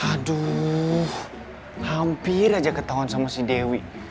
aduh hampir aja ketahuan sama si dewi